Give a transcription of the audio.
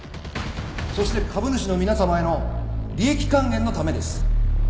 そして株主の皆さまへの利益還元のためです。